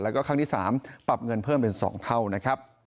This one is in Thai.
แล้วก็ครั้งที่๓ปรับเงินเพิ่มเป็น๒เท่านะครับ